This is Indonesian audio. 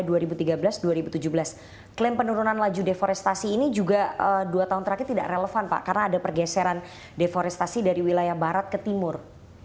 jadi pengurangan emisi yang menurun laju deforestasi ini juga dua tahun terakhir tidak relevan pak karena ada pergeseran deforestasi dari wilayah barat ke timur